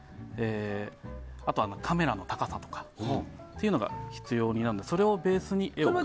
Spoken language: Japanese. あと、カメラの高さというのが必要になるのでそれをベースに絵を描いていきます。